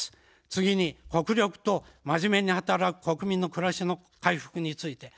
次に国力とまじめに働く国民のくらしの回復について。